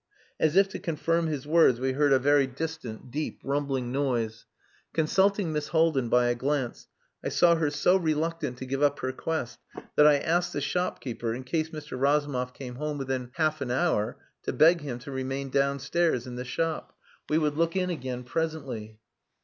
As if to confirm his words we heard a very distant, deep rumbling noise. Consulting Miss Haldin by a glance, I saw her so reluctant to give up her quest that I asked the shopkeeper, in case Mr. Razumov came home within half an hour, to beg him to remain downstairs in the shop. We would look in again presently.